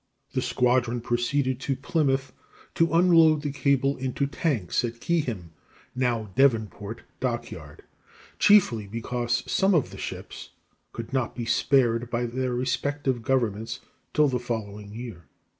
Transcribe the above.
The squadron proceeded to Plymouth to unload the cable into tanks at Keyham (now Devonport) Dockyard, chiefly because some of the ships could not be spared by their respective governments till the following year.